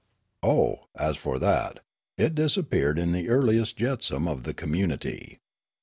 " Oh, as for that, it disappeared in the earliest jetsam of the communit}'.